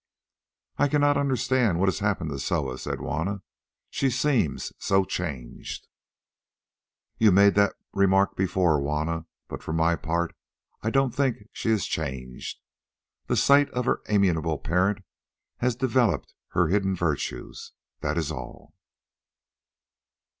"I cannot understand what has happened to Soa," said Juanna; "she seems so changed." "You made that remark before, Juanna; but for my part I don't think she is changed. The sight of her amiable parent has developed her hidden virtues, that is all."